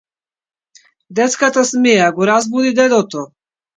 Детската смеа го разбуди дедото.